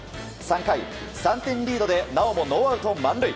３回、３点リードでなおもノーアウト満塁。